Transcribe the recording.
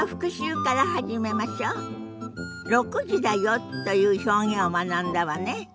「６時だよ」という表現を学んだわね。